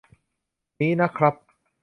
นี้นะครับ